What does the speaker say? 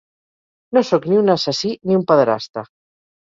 No sóc ni un assassí ni un pederasta.